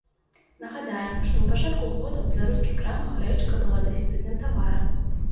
Нагадаем, што ў пачатку года ў беларускіх крамах грэчка была дэфіцытным таварам.